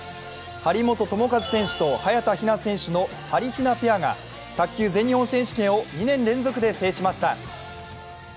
張本智和選手と早田ひな選手のはりひなペアが卓球全日本選手権を２年連続で制しました。